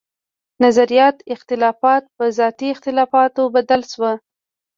نظرياتي اختلافات پۀ ذاتي اختلافاتو بدل شو